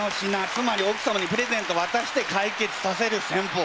つまり奥様にプレゼントわたして解決させる戦法。